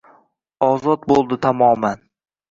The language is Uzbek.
Ozod bo’ldi tamoman.